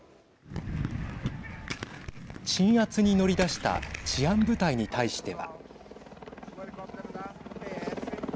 鎮圧に乗り出した治安部隊に対しては。